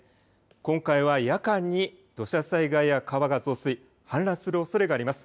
今回は夜間に土砂災害や川が増水、氾濫するおそれがあります。